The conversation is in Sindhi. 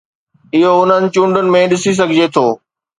اهو انهن چونڊن ۾ ڏسي سگهجي ٿو.